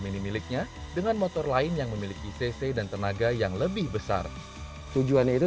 mini miliknya dengan motor lain yang memiliki cc dan tenaga yang lebih besar tujuannya itu